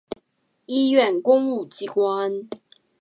医院公务机关